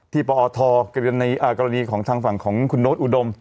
ปอทในกรณีของทางฝั่งของคุณโน๊ตอุดม